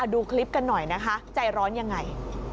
ดูคลิปกันหน่อยนะคะใจร้อนยังไง